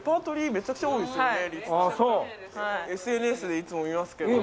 ＳＮＳでいつも見ますけど。